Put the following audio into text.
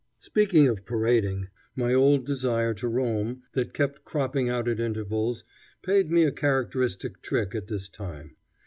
Speaking of parading, my old desire to roam, that kept cropping out at intervals, paid me a characteristic trick at this time.